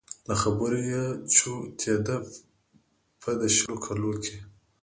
له خبرو يې جوتېده په د شلو کلو کې